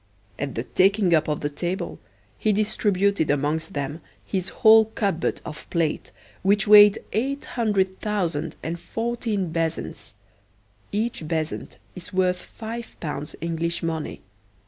At the taking up of the table he distributed amongst them his whole cupboard of plate, which weighed eight hundred thousand and fourteen bezants (Each bezant is worth five pounds English money.)